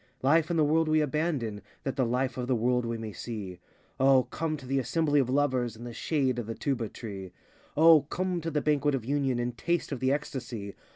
Life and the world we abandon That the Life of the world we may see. O, come to the assembly of Lovers In the shade of the Tuba tree. O, come to the Banquet of Union And taste of the ecstasy.